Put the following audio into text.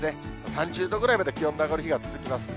３０度ぐらいまで気温の上がる日が続きます。